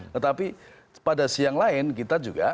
tetapi pada siang lain kita juga